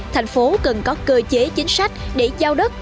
thành phố cần có cơ chế chính sách để giao đất